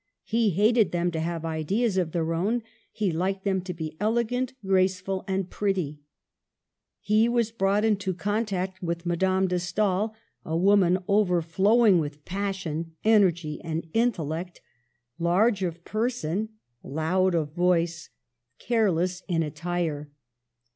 He hated them to have ideas of their own ; he liked them \ to be elegant, graceful and pretty. He was brought into contact with Madame de Stael — a woman overflowing with passion, energy and intellect, large of person, loud of voice, careless (93) Digitized by VjOOQIC 94 MADAME DE STAEL in attire.